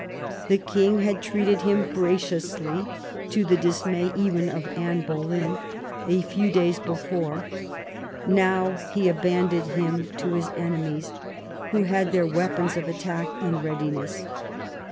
The king had treated him graciously, to the dismay even of Anne Boleyn, a few days before; now he abandoned him to his enemies, who had their weapons of attack in readiness.